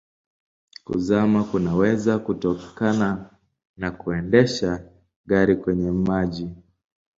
Kuzama kunaweza kutokana na kuendesha gari kwenye maji.